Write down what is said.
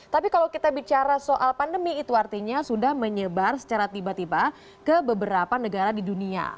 tapi kalau kita bicara soal pandemi itu artinya sudah menyebar secara tiba tiba ke beberapa negara di dunia